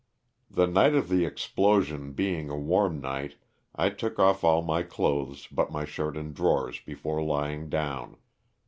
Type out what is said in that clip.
The night of the explosion being a warm night I took off all my clothes but my shirt and drawers before lying down.